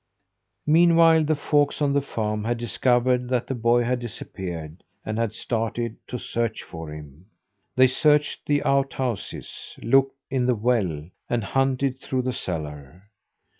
Meanwhile the folks on the farm had discovered that the boy had disappeared, and had started to search for him. They searched the outhouses, looked in the well, and hunted through the cellar.